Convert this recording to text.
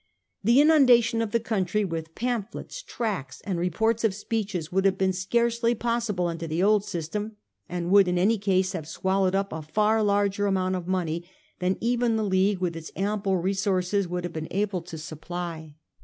1888. CHARLES VILLIERS. S35 The inundation of the country with pamphlets, tracts, and reports of speeches would have been scarcely possible under the old system, and would in any case have swallowed up a far larger amount of money than even the League with its ample resources would have been able to supply.